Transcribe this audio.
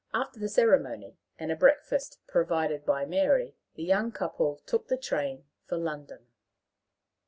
After the ceremony, and a breakfast provided by Mary, the young couple took the train for London.